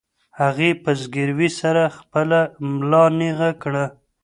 هغې په زګیروي سره خپله ملا نېغه کړه.